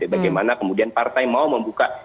bagaimana kemudian partai mau membuka